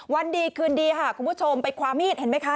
วันดีคืนดีค่ะคุณผู้ชมไปความมีดเห็นไหมคะ